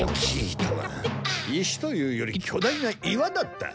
石というよりきょ大な岩だった。